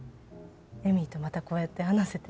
エミーとまたこうやって話せて。